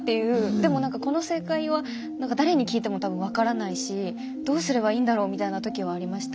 でもこの正解は誰に聞いても多分わからないしどうすればいいんだろうみたいな時はありました。